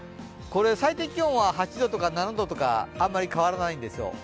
最低気温は８度とか７度とかあまり変わらないんでんすよ。